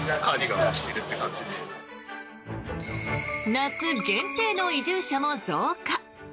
夏限定の移住者も増加。